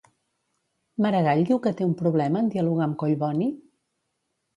Maragall diu que té un problema en dialogar amb Collboni?